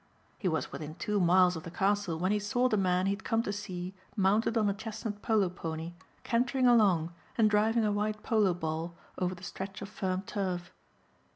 He was within two miles of the castle when he saw the man he had come to see mounted on a chestnut polo pony cantering along and driving a white polo ball over the stretch of firm turf.